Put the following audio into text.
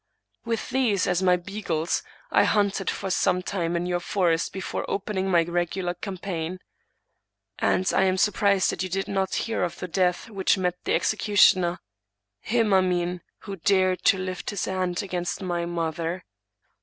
With these as my beagles, I hunted for some time in your for est before opening my regular campaign; and I am sur prised that you did not hear of the death which met the executioner — him I mean who dared to lift his hand against my mother.